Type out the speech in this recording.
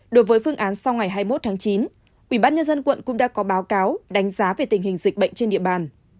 đối với phương án sau ngày hai mươi một tháng chín ubnd quận cũng đã có báo cáo đánh giá về tình hình dịch bệnh trên địa bàn